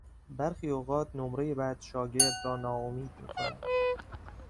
برخی اوقات نمرهی بد شاگرد را ناامید میکند.